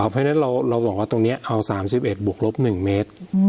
เพราะฉะนั้นเราบอกว่าตรงนี้เอา๓๑บวกลบ๑เมตร